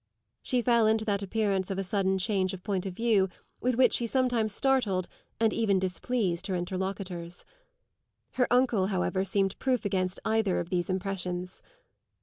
she fell into that appearance of a sudden change of point of view with which she sometimes startled and even displeased her interlocutors. Her uncle, however, seemed proof against either of these impressions.